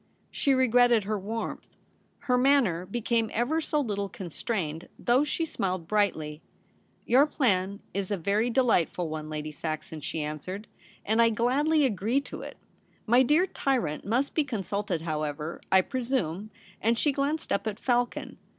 She regretted her warmth. Her manner became ever so little constrained, though she smiled brightly. * Your plan is a very delightful one, Lady Saxon,' she answered, ' and I gladly agree to it. My dear tyrant must be consulted how ever, I presume,' and she glanced up at Falcon.